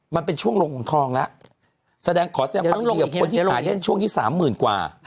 มันเป็นช่วงลงของทองแล้วแสดงขอแสดงพันที่หายได้ช่วงที่สามหมื่นกว่า